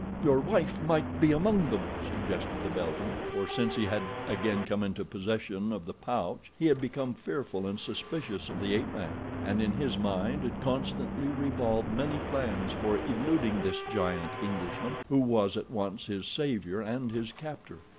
"Your wife might be among them," suggested the Belgian, for since he had again come into possession of the pouch he had become fearful and suspicious of the ape man, and in his mind had constantly revolved many plans for eluding this giant Englishman, who was at once his savior and his captor.